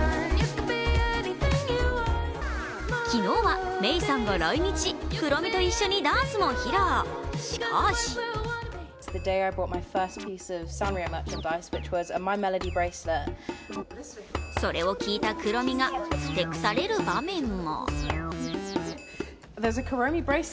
昨日はメイさんが来日、クロミと一緒にダンスを披露、しかしそれを聞いたクロミがふてくされる場面も。